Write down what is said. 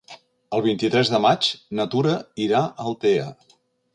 El vint-i-tres de maig na Tura irà a Altea.